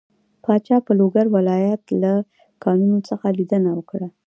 پاچا په لوګر ولايت له کانونو څخه ليدنه وکړه.